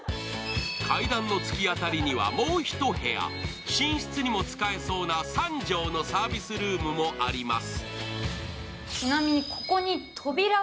階段の突き当たりにはもう１部屋、寝室にも使えそうな３畳のサービスルームもあります。